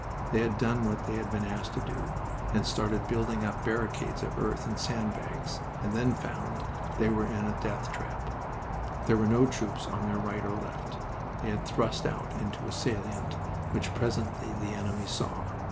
They had done what they had been asked to do, and started building up barricades of earth and sand bags, and then found they were in a death trap. There were no troops on their right or left. They had thrust out into a salient, which presently the enemy saw.